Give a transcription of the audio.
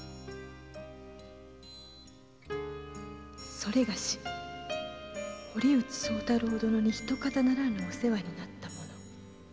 「それがし堀内宗太郎殿にひとかたならぬお世話になった者。